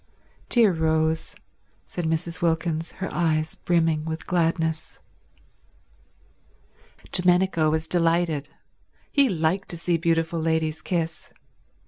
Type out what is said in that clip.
"Dear Rose," said Mrs. Wilkins, her eyes brimming with gladness. Domenico was delighted. He liked to see beautiful ladies kiss.